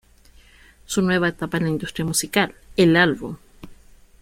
Su nueva etapa en la industria musical: el álbum.